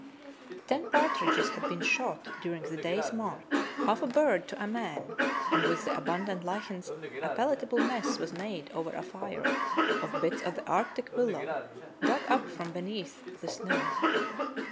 Ten partridges had been shot during the day's march, half a bird to a man, and with the abundant lichens a palatable mess was made over a fire of bits of the arctic willow dug up from beneath the snow.